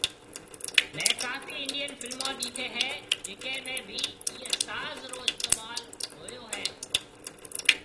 مينھ ڪافي انڊين فلمون ڏيٺي ھيَََ جڪي ۾ بِي ايئي ساز رو استعمال ھوئو ھيَََ